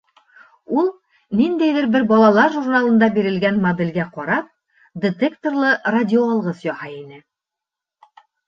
Ул, ниндәйҙер бер балалар журналында бирелгән моделгә ҡарап, детекторлы радиоалғыс яһай ине.